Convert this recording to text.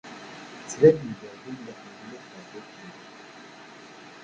Ttbanen-d d umliḥen mliḥ ddukkli.